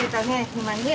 今ね。